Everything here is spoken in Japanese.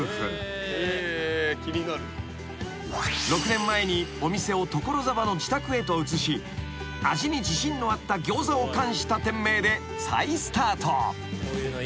［６年前にお店を所沢の自宅へと移し味に自信のあったギョーザを冠した店名で再スタート］